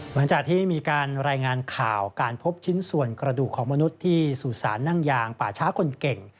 หลังจากที่มีการรายงานข่าวการพบชิ้นส่วนกระดูกของมนุษย์ที่สู่สารนั่งยางป่าช้าคนเก่ง